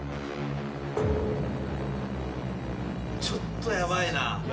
ちょっとヤバいな。